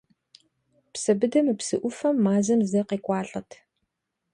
Псэбыдэ мы псы ӏуфэм мазэм зэ къекӏуалӏэт.